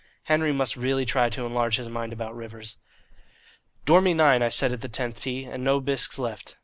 Henry must really try to enlarge his mind about rivers. "Dormy nine," I said at the tenth tee, "and no bisques left."